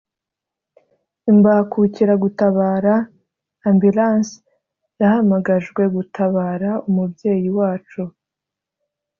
Imbagukiragutabara (Ambulance) yahamagajwe gutabara umubyeyi wacu